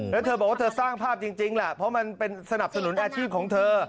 แล้วเธอบอกว่าเธอสร้างภาพจริงแหละเพราะมันเป็นสนับสนุนอาชีพของเธอ